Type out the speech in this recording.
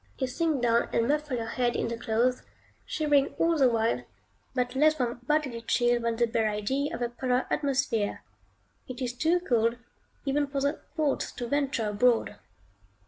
You sink down and muffle your head in the clothes, shivering all the while, but less from bodily chill than the bare idea of a polar atmosphere. It is too cold even for the thoughts to venture abroad.